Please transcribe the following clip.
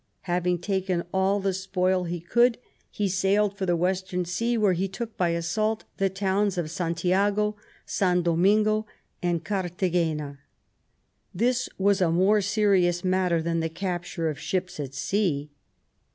Having taken all the spoil he could, he sailed for the Western Sea, where he took by assault the towns of St. lago, San Domingo and Carthagena. This was a more serious matter than the capture of ships at sea.